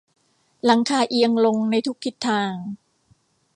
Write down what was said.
หลังคาเอียงลงในทุกทิศทาง